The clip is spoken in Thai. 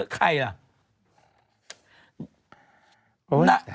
ใครล่ะ